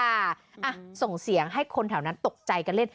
อ่ะส่งเสียงให้คนแถวนั้นตกใจกันเล่น